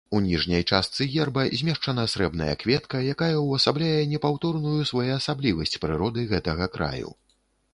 У ніжняй частцы герба змешчана срэбная кветка, якая ўвасабляе непаўторную своеасаблівасць прыроды гэтага краю.